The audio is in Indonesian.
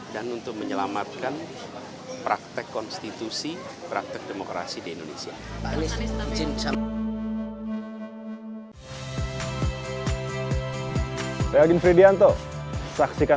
dan untuk menyelamatkan praktek konstitusi praktek demokrasi di indonesia